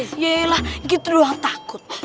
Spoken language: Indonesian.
iya iya lah gitu doang takut